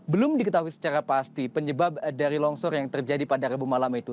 belum diketahui secara pasti penyebab dari longsor yang terjadi pada rabu malam itu